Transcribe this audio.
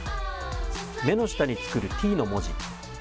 目の下に作るＴの文字。